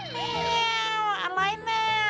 แม้อะไรนะ